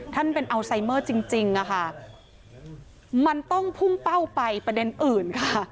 ท่านเป็นอัลไซเมอร์จริงอะค่ะมันต้องพุ่งเป้าไปประเด็นอื่นค่ะ